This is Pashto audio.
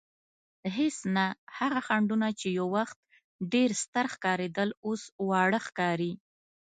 هېڅ نه، هغه خنډونه چې یو وخت ډېر ستر ښکارېدل اوس واړه ښکاري.